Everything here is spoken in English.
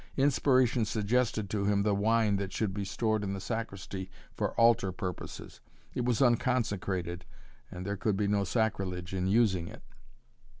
Inspiration suggested to him the wine that should be stored in the sacristy for altar purposes. It was unconsecrated, and there could be no sacrilege in using it.